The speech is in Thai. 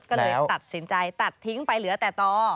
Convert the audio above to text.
ก็เลยตัดสินใจตัดทิ้งไปเหลือแต่ต่อ